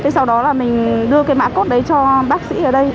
sau đó mình đưa cái mã code đấy cho bác sĩ ở đây